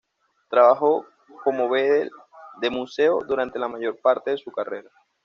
Trabajó como bedel de museo durante la mayor parte de su carrera.